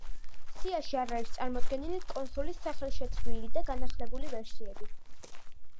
სიაში არ არის წარმოდგენილი კონსოლის სახეშეცვლილი და განახლებული ვერსიები.